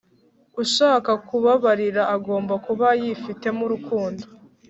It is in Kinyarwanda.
ushaka kubabarira agomba kuba yifitemo urukundo